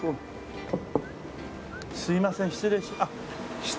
すいません失礼します。